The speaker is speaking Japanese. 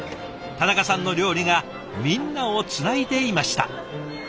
田中さんの料理がみんなをつないでいました。